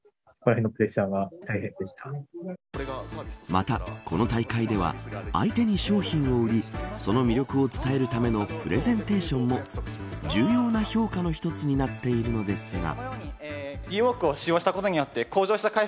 また、この大会では相手に商品を売りその魅力を伝えるためのプレゼンテーションも重要な評価の一つになっているのですが。